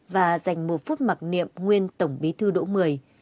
và dành một phút mặc niệm nguyên tổng bí thư đỗ mười